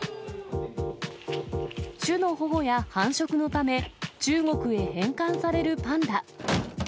種の保護や繁殖のため、中国へ返還されるパンダ。